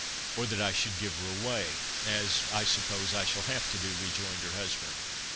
"Or that I should give her away, as I suppose I shall have to do," rejoined her husband.